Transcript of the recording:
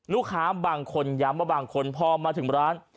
ลูกค้าบางคนย้ำว่าบางคนพอมาถึงร้าน